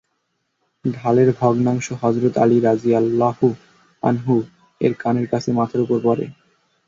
ঢালের ভগ্নাংশ হযরত আলী রাযিয়াল্লাহু আনহু-এর কানের কাছে মাথার উপর পড়ে।